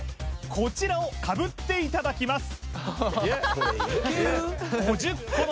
こちらをかぶっていただきます